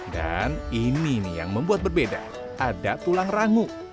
dan ini nih yang membuat berbeda ada tulang rangu